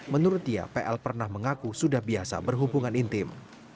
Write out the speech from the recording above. menurut dia pl pernah mengaku sudah biasa berhubungan intim